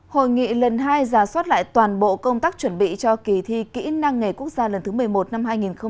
hội nghị lần hai giả soát lại toàn bộ công tác chuẩn bị cho kỳ thi kỹ năng nghề quốc gia lần thứ một mươi một năm hai nghìn hai mươi